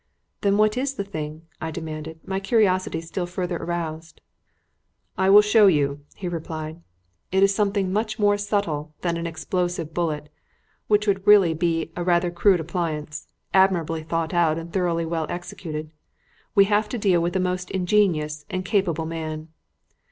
"Then what is the thing?" I demanded, my curiosity still further aroused. "I will show you," he replied. "It is something much more subtle than an explosive bullet which would really be a rather crude appliance admirably thought out and thoroughly well executed. We have to deal with a most ingenious and capable man."